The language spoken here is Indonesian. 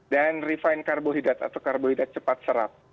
dan refine karbohidrat atau karbohidrat cepat serap